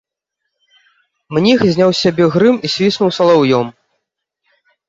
Мніх зняў з сябе грым і свіснуў салаўём.